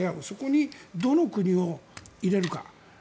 そこにどの国を入れるか。